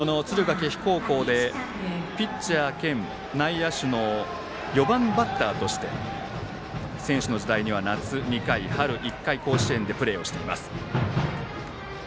この敦賀気比高校でピッチャー兼内野手の４番バッターとして選手の時代には夏２回、春１回甲子園でプレーしています。